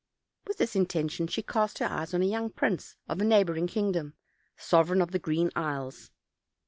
With this intention she cast her eyes on a young prince of a neighboring kingdom, sovereign of the Green Isles.